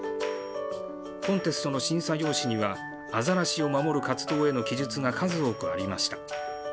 コンテストの審査用紙には、アザラシを守る活動への記述が数多くありました。